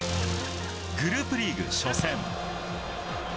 グループリーグ初戦。